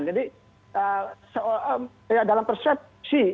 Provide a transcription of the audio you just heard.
jadi dalam persepsi